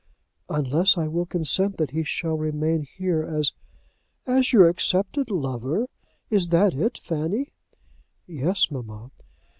"Unless I will consent that he shall remain here as " "As your accepted lover. Is that it, Fanny?" "Yes, mamma."